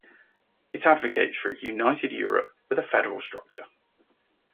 It advocates for a united Europe with a federal structure.